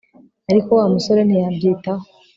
ariko wa musore ntiyabyitaho